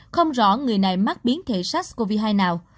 không rõ người này mắc biến thể sars cov hai nào